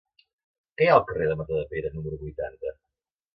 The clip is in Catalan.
Què hi ha al carrer de Matadepera número vuitanta?